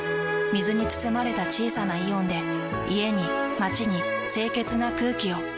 水に包まれた小さなイオンで家に街に清潔な空気を。